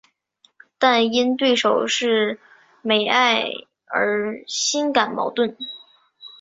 但因对手是美爱而心感矛盾。